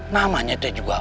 namanya teh juga